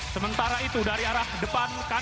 sementara itu dari arah depan kan